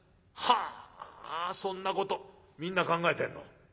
「はあそんなことみんな考えてんの？